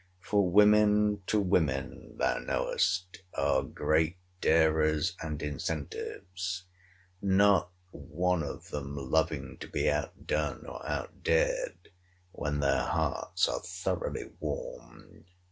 For women to women, thou knowest, are great darers and incentives: not one of them loving to be outdone or outdared, when their hearts are thoroughly warmed.